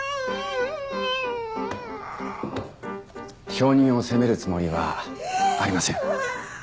証人を責めるつもりはありません。